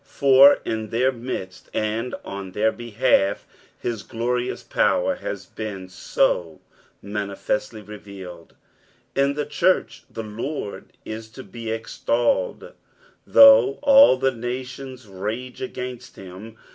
for in their midst and on their behalf hia glorious power has been so manifestly revealed. In the church the Lord is to be extolled though all the nations rage against him.